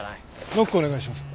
ノックお願いします。